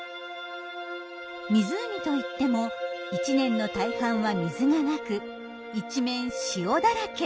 湖といっても１年の大半は水が無く一面塩だらけ。